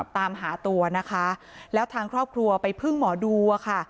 ตามหาตัวนะคะแล้วทางครอบครัวไปพึ่งหมอดูอะค่ะ